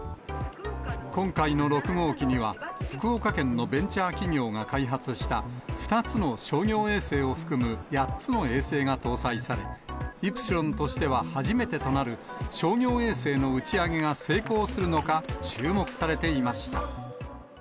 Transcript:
今回の６号機には、福岡県のベンチャー企業が開発した２つの商業衛星を含む８つの衛星が搭載され、イプシロンとしては初めてとなる、商業衛星の打ち上げが成功するのか、注目されていました。